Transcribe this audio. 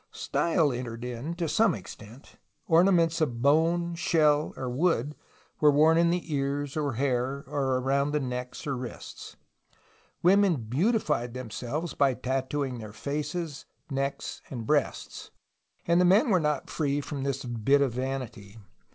Style entered in to some extent. Orna ments of bone, shell, or wood were worn in the ears or hair or around the neck or wrists. Women *^ beautified'' themselves by tattooing their faces, necks, and breasts, and the men were not free from this bit of vanity.